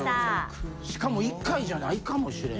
しかも１回じゃないかもしれん。